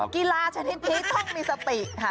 กีฬาชนิดนี้ต้องมีสติค่ะ